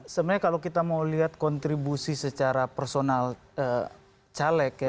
sebenarnya kalau kita mau lihat kontribusi secara personal caleg ya